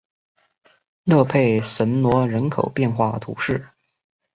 勒佩什罗人口变化图示